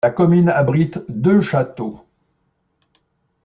La commune abrite deux châteaux.